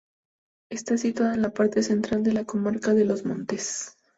Está situada en la parte central de la comarca de Los Montes.